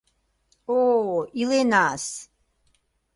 О-о, иленас!